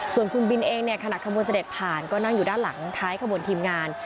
ส่วนคุณบินเองเนี่ยขณะขบวนเสด็จผ่านก็นั่งอยู่ด้านหลังท้ายขบวนทีมงาน